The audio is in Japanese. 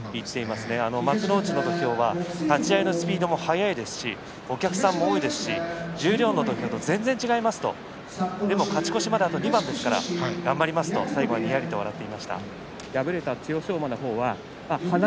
幕内の土俵は立ち合いのスピードも速いですしお客さんも多いですし十両の土俵と全然違いますと勝ち越しまであと２番ですから頑張りますと最後は敗れた千代翔